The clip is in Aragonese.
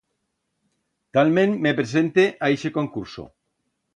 Talment me presente a ixe concurso.